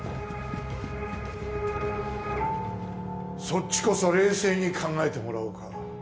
そっちこそ冷静に考えてもらおうか